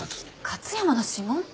勝山の指紋って。